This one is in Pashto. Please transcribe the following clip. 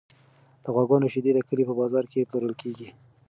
د غواګانو شیدې د کلي په بازار کې پلورل کیږي.